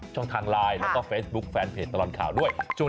ช่องทางไลน์แล้วก็เฟซบุ๊คแฟนเพจตลอดข่าวด้วย